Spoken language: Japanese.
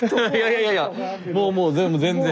いやいやいやもうもう全部全然。